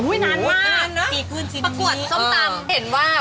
ว่าประกวดส้มตำเห็นว่า